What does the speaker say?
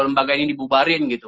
lembaga ini dibubarin gitu